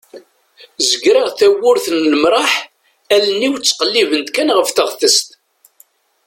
zegreɣ tawwurt n lemraḥ allen-iw ttqellibent kan ɣef teɣtest